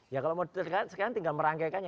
ya kalau mau ditambahkan sekarang tinggal merangkaikan